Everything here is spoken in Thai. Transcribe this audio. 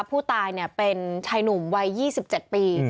ผู้ตายเนี่ยเป็นชายหนุ่มวัยยี่สิบเจ็ดปี